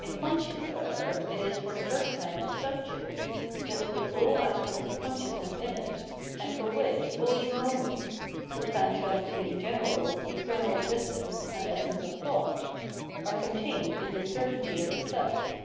In conscience, however, it is for the first time a Subject, which has put all aspects of consciousness in it, and for which all these moments, substantiality in general, external existence, and essence of thought, are contained in this cer tainty of itself.